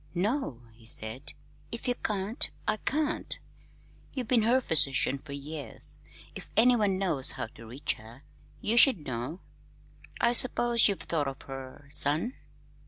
"No," he said. "If you can't, I can't. You've been her physician for years. If anyone knows how to reach her, you should know. I suppose you've thought of her son?"